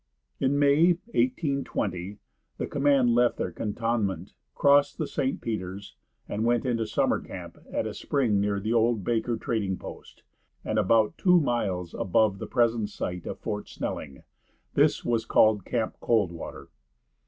In May, 1820, the command left their cantonment, crossed the St. Peter's and went into summer camp at a spring near the old Baker trading house, and about two miles above the present site of Fort Snelling. This was called "Camp Coldwater."